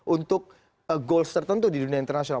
untuk goals tertentu di dunia internasional